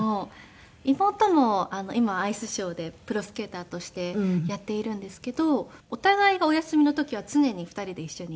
妹も今アイスショーでプロスケーターとしてやっているんですけどお互いがお休みの時は常に２人で一緒にいます。